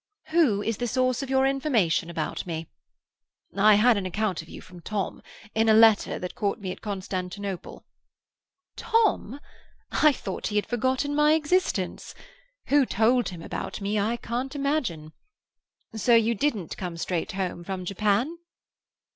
"Who is the source of your information about me?" "I had an account of you from Tom, in a letter that caught me at Constantinople." "Tom? I thought he had forgotten my existence. Who told him about me I can't imagine. So you didn't come straight home from Japan?"